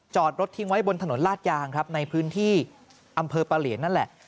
จอดรถทิ้งไว้บนถนนลาดยางครับในพื้นที่อำเภอปะเหลียนนั่นแหละ